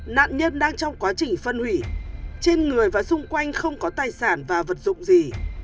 nạn nhân đang trong quá trình phân hủy trên người và xung quanh không có tài sản và vật dụng gì